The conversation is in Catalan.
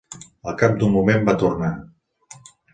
Al cap d'un moment va tornar.